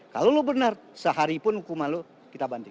kalau lu benar sehari pun hukuman lu kita banding